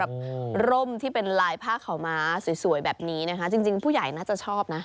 ร่มที่เป็นลายผ้าขาวม้าสวยแบบนี้นะคะจริงผู้ใหญ่น่าจะชอบนะ